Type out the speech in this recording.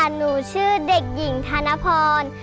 หนูชื่อเด็กหญิงธนพร